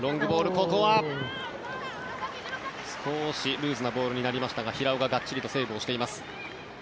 ここは少しルーズなボールになりましたが平尾ががっちりとセーブしています。